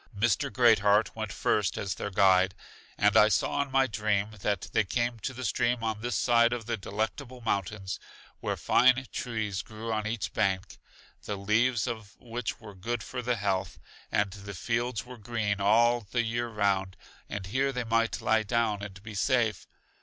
Mr. Great heart went first as their guide; and I saw in my dream that they came to the stream on this side of The Delectable Mountains, where fine trees grew on each bank, the leaves of which were good for the health, and the fields were green all the year round; and here they might lie down and be safe.